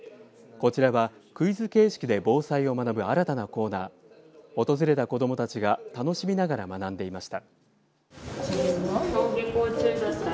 こちらはクイズ形式で防災を学ぶ新たなコーナー訪れた子どもたちが楽しみながら学んでいました。